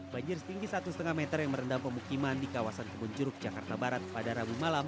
banjir setinggi satu lima meter yang merendam pemukiman di kawasan kebun juruk jakarta barat pada rabu malam